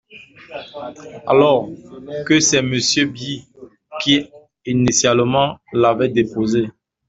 …alors que c’est Monsieur Bies qui, initialement, l’avait déposé.